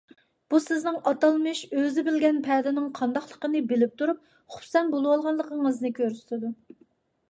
بۇ سىزنىڭ ئاتالمىش ئۆزى بىلگەن پەدىنىڭ قانداقلىقىنى بىلىپ تۇرۇپ خۇپسەن بولۇۋالغانلىقىڭىزنى كۆرسىتىدۇ.